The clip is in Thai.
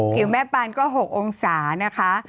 แม่ปานก็๖องศานะคะ